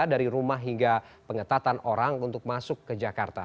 dari rumah hingga pengetatan orang untuk masuk ke jakarta